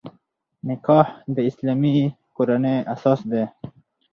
نکاح د اسلامي کورنۍ اساس دی.